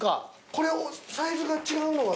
・これサイズが違うのは。